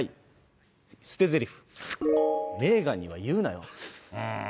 捨てぜりふ、メーガンには言うなよ。